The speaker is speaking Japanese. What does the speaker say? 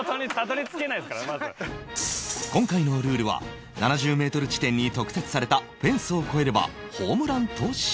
今回のルールは７０メートル地点に特設されたフェンスを越えればホームランとし